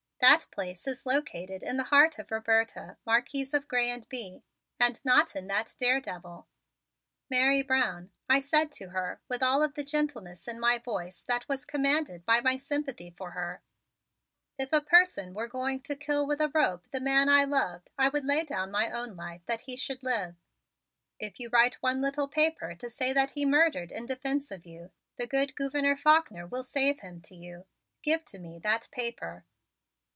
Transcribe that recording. That place is located in the heart of Roberta, Marquise of Grez and Bye, and not in that daredevil. "Mary Brown," I said to her with all of the gentleness in my voice that was commanded by my sympathy for her, "if a person were going to kill with a rope the man I loved I would lay down my own life that he should live. If you write one little paper to say that he murdered in defense of you, the good Gouverneur Faulkner will save him to you. Give to me that paper."